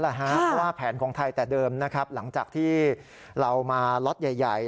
เพราะว่าแผนของไทยแต่เดิมนะครับหลังจากที่เรามาล็อตใหญ่